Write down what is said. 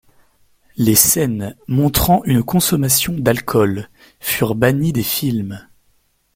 Les scènes montrant une consommation d'alcool furent bannies des films.